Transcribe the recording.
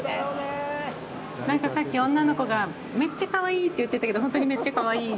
なんかさっき女の子がめっちゃかわいいって言ってたけど本当にめっちゃかわいい。